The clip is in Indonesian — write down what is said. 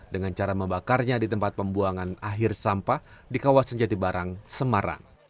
dengan cara membakarnya di tempat pembuangan akhir sampah di kawasan jatibarang semarang